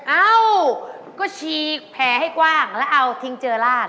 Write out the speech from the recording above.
เอ้าก็ฉีกแผลให้กว้างแล้วเอาทิ้งเจอลาด